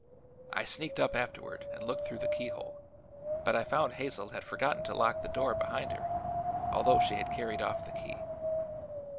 I sneaked up afterward and looked through the keyhole, but I found Hazel had forgotten to lock the door behind her, although she had carried off the key.